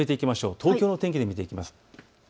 東京の天気で見ていきます。